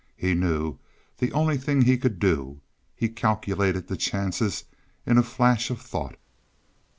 He knew the only thing he could do; he calculated the chances in a flash of thought.